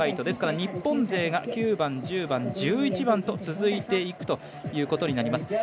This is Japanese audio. ですから、日本勢が９番、１０番、１１番と続いていくということになります。